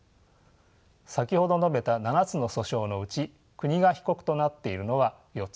先ほど述べた７つの訴訟のうち国が被告となっているのは４つです。